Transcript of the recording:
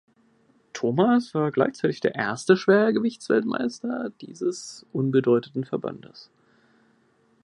Thomas war gleichzeitig der erste Schwergewichtsweltmeister dieses unbedeutenden Verbandes.